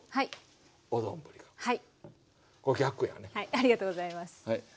ありがとうございます。